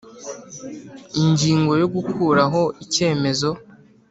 ingingo yo gukuraho icyemezo